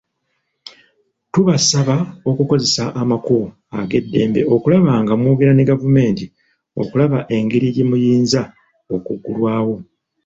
Tubasaba okukozesa amakubo ag'eddembe okulaba nga mwogera ne gavumenti okulaba egeri gye muyinza okuggulwawo.